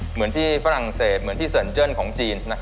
เหมือนที่ฝรั่งเศสเสินเจิ่นของจีน